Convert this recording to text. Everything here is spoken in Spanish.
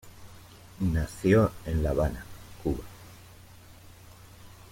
Nació en La Habana, Cuba.